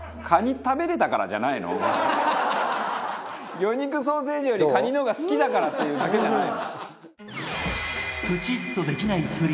魚肉ソーセージよりカニの方が好きだからっていうだけじゃないの？